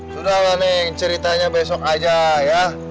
sudahlah neng ceritanya besok aja ya